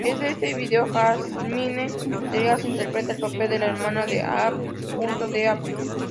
En este vídeo Jasmine Trias interpreta el papel de la hermana de Apl.de.ap.